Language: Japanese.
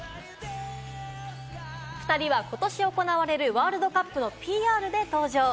２人はことし行われるワールドカップのＰＲで登場。